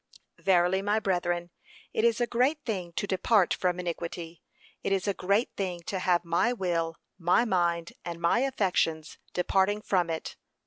Verily, my brethren, it is a great thing to depart from iniquity; it is a great thing to have my will, my mind, and my affections departing from it.